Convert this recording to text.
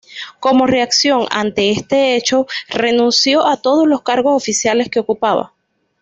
Como reacción ante este hecho renunció a todos los cargos oficiales que ocupaba.